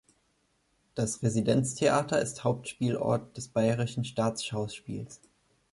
Das Residenztheater ist Hauptspielort des Bayerischen Staatsschauspiels.